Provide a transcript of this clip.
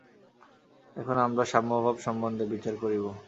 এখন আমরা সাম্যভাব সম্বন্ধে বিচার করিব।